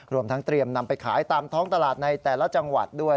รวมทั้งเตรียมนำไปขายตามท้องตลาดในแต่ละจังหวัดด้วย